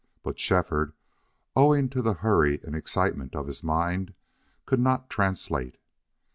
But Shefford, owing to the hurry and excitement of his mind, could not translate.